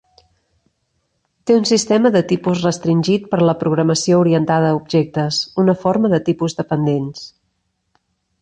Té un sistema de tipus restringit per la programació orientada a objectes, una forma de tipus dependents.